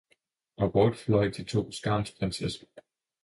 og bort fløi de to Skarns-Prindsesser!